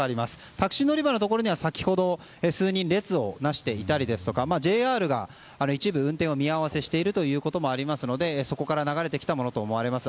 タクシー乗り場には先ほど、数人が列をなしていたりですとかＪＲが一部運転を見合わせしているのもありますのでそこから流れてきたものと思われます。